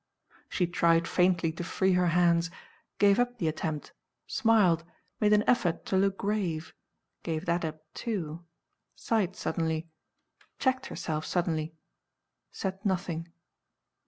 She tried faintly to free her hands gave up the attempt smiled made an effort to look grave gave that up, too sighed suddenly checked herself suddenly said nothing.